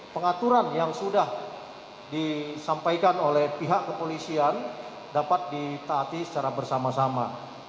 pengaturan yang sudah disampaikan oleh pihak kepolisian dapat ditaati secara bersama sama